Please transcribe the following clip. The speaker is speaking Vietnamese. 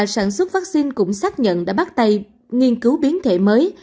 sản xuất vaccine cũng xác nhận đã bắt tay nghiên cứu biến thể mới